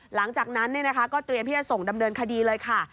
หลังจากนั้นก็เตรียมที่จะส่งดำเนินคดีเลยค่ะ